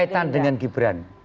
apa kaitan dengan gibran